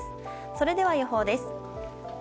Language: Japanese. それでは、予報です。